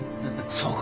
そうか。